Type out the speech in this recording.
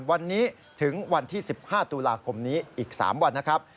วันนี้ถึงวันที่๑๕ตุลาคมนี้อีก๓วันนะครับ